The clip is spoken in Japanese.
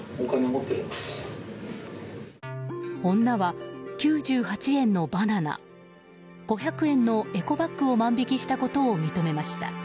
女は、９８円のバナナ５００円のエコバッグを万引きしたことを認めました。